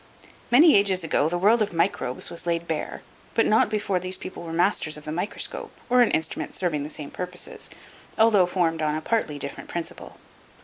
Many ages ago the world of microbes was laid bare, but not before these people were masters of the microscope or an instrument serving the same purposes, although formed on a partly different principle.